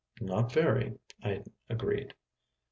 "Not very," I agreed.